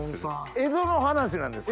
江戸の話なんですか？